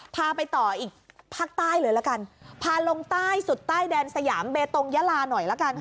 พาไปต่ออีกภาคใต้เลยละกันพาลงใต้สุดใต้แดนสยามเบตงยาลาหน่อยละกันค่ะ